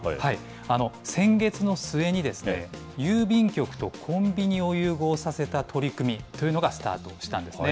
先月の末に、郵便局とコンビニを融合させた取り組みというのがスタートしたんですね。